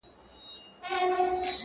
کافر دروغ پاخه رشتیا مات کړي,